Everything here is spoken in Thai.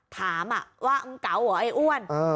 ถามว่ามึงเก๋าเหรอไอ้อ้วน